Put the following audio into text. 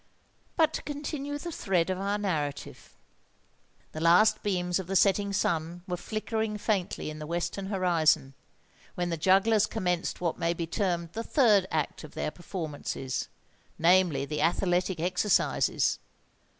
But to continue the thread of our narrative. The last beams of the setting sun were flickering faintly in the western horizon, when the jugglers commenced what may be termed the third act of their performances—namely, the athletic exercises.